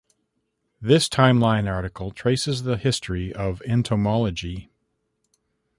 This timeline article traces the history of entomology.